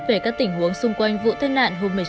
về các tình huống xung quanh vụ tai nạn hôm một mươi chín